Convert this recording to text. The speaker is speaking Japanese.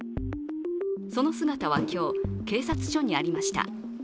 その姿は今日、警察署にありました。